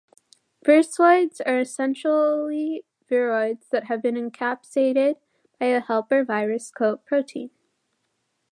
Virusoids are essentially viroids that have been encapsidated by a helper virus coat protein.